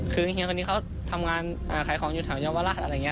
คือเฮียคนนี้เขาทำงานขายของอยู่แถวเยาวราชอะไรอย่างนี้